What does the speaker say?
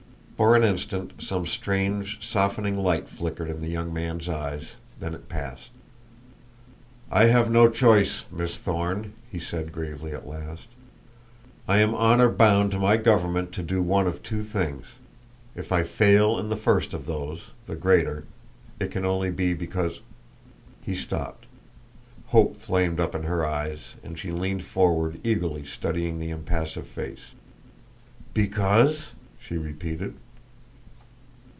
For an instant some strange, softening light flickered in the young man's eyes, then it passed. "I have no choice, Miss Thorne," he said gravely at last. "I am honor bound by my government to do one of two things. If I fail in the first of those the greater it can only be because " He stopped; hope flamed up in her eyes and she leaned forward eagerly studying the impassive face. "Because ?" she repeated.